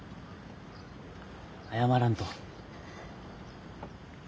謝らんと。